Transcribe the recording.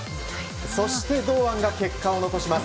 そして、堂安が結果を残します。